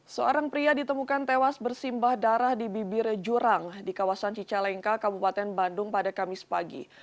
seorang pria ditemukan tewas bersimbah darah di bibir jurang di kawasan cicalengka kabupaten bandung pada kamis pagi